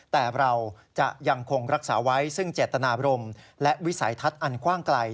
แต่เราจะยังคงรักษาไว้ซึ่งเจตนาบรมและวิสัยทัศน์อันกว้างไกล